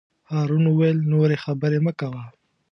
هارون وویل: نورې خبرې مه کوه.